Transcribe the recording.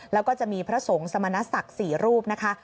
แล้วก็จะมีพระสงฆ์สมณศักดิ์๔รูปนะคะ